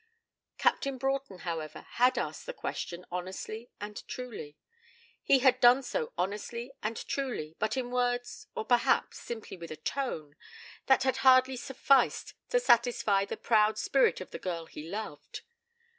Captain Broughton, however, had asked the question honestly and truly. He had done so honestly and truly, but in words, or, perhaps, simply with a tone, that had hardly sufficed to satisfy the proud spirit of the girl he loved.